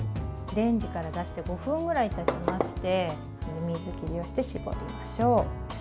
レンジから出して５分ぐらいたちまして水切りをして絞りましょう。